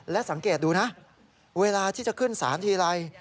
และสังเกตดูนะเวลาที่จะขึ้นสารทีไร